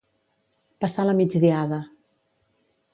Passar la migdiada.